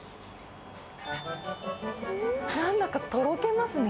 なんだかとろけますね。